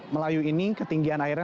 melayu ini ketinggian airnya